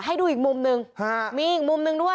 ให้ดูมันดูอีกมุมมีอีกมุมนึงด้วย